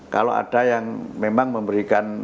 kalau ada yang memang memberikan